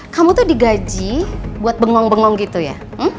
kamu tuh digaji buat bengong bengong gitu ya